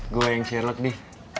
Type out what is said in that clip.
gue yang sherlock nih